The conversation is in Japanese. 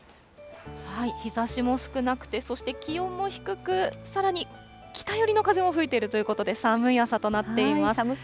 日ざしも少なくて、そして気温も低く、さらに北寄りの風も吹いているということで、寒い朝となっています。